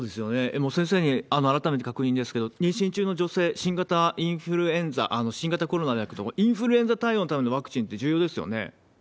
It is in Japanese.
もう先生に改めて確認ですけれども、妊娠中の女性、新型インフルエンザ、新型コロナだけではなくて、インフルエンザ対応のためのワクチンって重要ですよね？